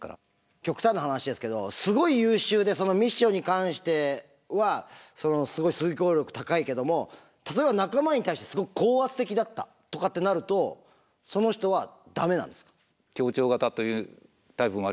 極端な話ですけどすごい優秀でそのミッションに関してはすごい遂行力高いけども例えば仲間に対してすごく高圧的だったとかってなるとその人はダメなんですか？